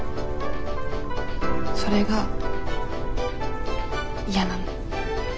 それが嫌なの。